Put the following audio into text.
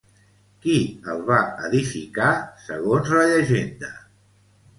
Qui el va edificar, segons la llegenda?